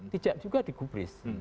tidak juga digubris